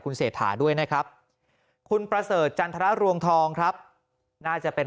เศรษฐาด้วยนะครับคุณประเสริฐจันทรรวงทองครับน่าจะเป็น